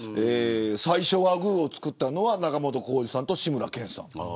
最初はグーをつくったのは仲本工事さんと志村けんさん。